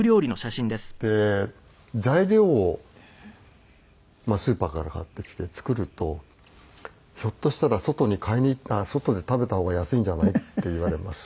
で材料をスーパーから買ってきて作ると「ひょっとしたら外で食べた方が安いんじゃない？」って言われます。